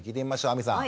亜美さん。